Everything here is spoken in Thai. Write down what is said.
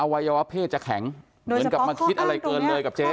วัยวะเพศจะแข็งเหมือนกับมาคิดอะไรเกินเลยกับเจ๊